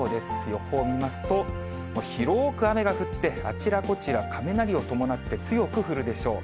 予報見ますと、広く雨が降って、あちらこちら、雷を伴って強く降るでしょう。